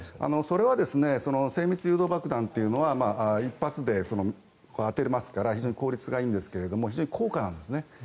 それは精密誘導爆弾というのは１発で当てられますから非常に効率がいいんですが非常に高価なんですね。